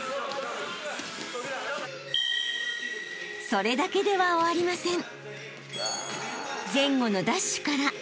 ［それだけでは終わりません］